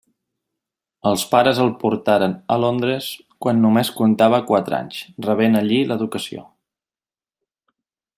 Els pares el portaren a Londres quan només contava quatre anys, rebent allí l'educació.